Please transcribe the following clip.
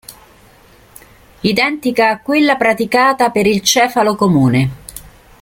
Identica a quella praticata per il cefalo comune.